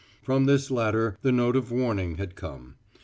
From this latter the note of warning had come.